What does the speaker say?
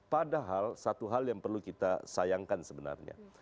padahal satu hal yang perlu kita sayangkan sebenarnya